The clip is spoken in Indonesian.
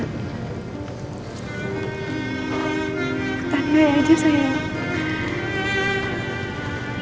tandai aja sayang